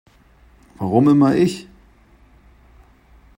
Warum immer ich?